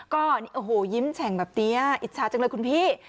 ก็โอ้โหยิ้มแฉ่งแบบนี้อิจฉาจังเลยคุณพี่